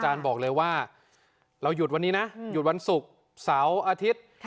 บอกเลยว่าเราหยุดวันนี้นะหยุดวันศุกร์เสาร์อาทิตย์